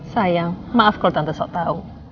sayang maaf kalau tante sok tau